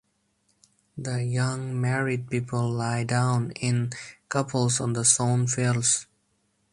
The young married people lie down in couples on the sown fields.